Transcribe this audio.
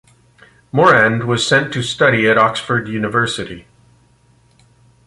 Morand was sent to study at Oxford University.